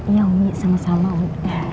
iya umi sama sama umi